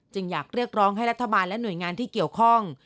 อยากเรียกร้องให้รัฐบาลและหน่วยงานที่เกี่ยวข้อง